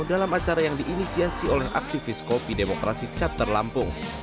dalam acara yang diinisiasi oleh aktivis kopi demokrasi chapter lampung